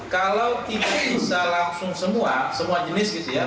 kalau tidak bisa langsung semua semua jenis gitu ya